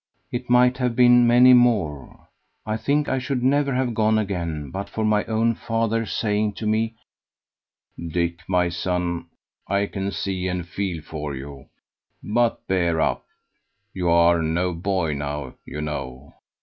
It might have been many more. I think I should never have gone again but for my own father saying to me, "Dick, my son, I can see and feel for you too, but bear up; you are no boy now, you know.